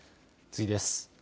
次です。